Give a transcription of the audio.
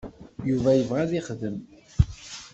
Yuba yebɣa ad yexdem.